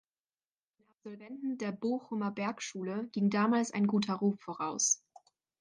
Den Absolventen der "Bochumer Bergschule" ging damals ein guter Ruf voraus.